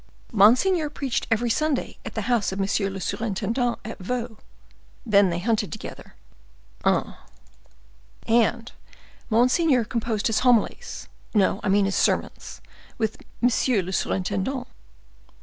"Monseigneur preached every Sunday at the house of monsieur le surintendant at Vaux; then they hunted together." "Ah!" "And monseigneur composed his homilies—no, I mean his sermons—with monsieur le surintendant."